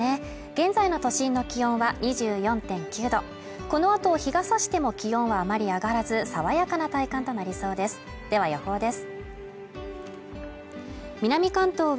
現在の都心の気温は２４．９度このあと日がさしても気温はあまり上がらず爽やかな体感となりそうですでは予報です